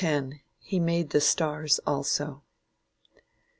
"HE MADE THE STARS ALSO."